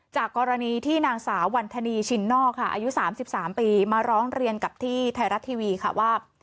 จากกรณีที่นางสาววันธนีชินนอกค่ะอายุ๓๓ปีมาร้องเรียนกับที่ไทยรัฐทีวีค่ะว่า